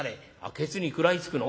「けつに食らいつくの？」。